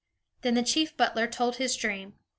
Then the chief butler told his dream.